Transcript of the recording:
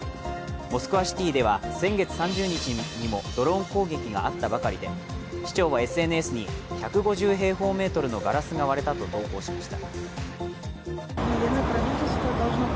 モスクワシティでは先月３０日にもドローン攻撃があったばかりで市長はＳＮＳに、１５０平方メートルのガラスが割れたと投稿しました。